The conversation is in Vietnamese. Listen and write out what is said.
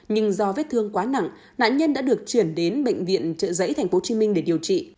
nhưng do vết thương quá nặng nạn nhân đã được chuyển đến bệnh viện trợ giấy tp hcm để điều trị